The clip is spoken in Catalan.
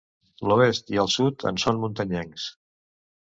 L'oest i el sud en són muntanyencs.